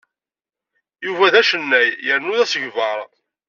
Yuba d acennay yernu d asegbar.